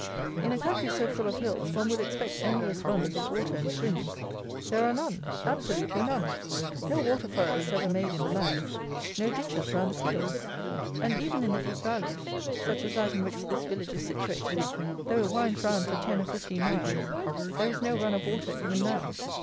In a country so full of hills one would expect endless runs of water and springs. There are none: absolutely none. No water furrow is ever made in the land. No ditches round the fields. And, even in the deep valleys, such as that in which this village is situated, though it winds round for ten or fifteen miles, there is no run of water even now.